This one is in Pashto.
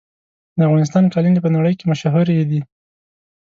د افغانستان قالینې په نړۍ کې مشهورې دي.